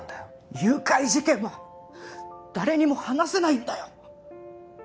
誘拐事件は誰にも話せないんだよ